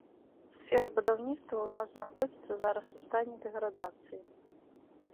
Сфера будаўніцтва ў нас знаходзіцца зараз у стане дэградацыі.